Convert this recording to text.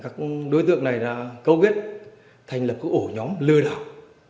các đối tượng này đã cấu kết thành lập ổ nhóm lừa đảo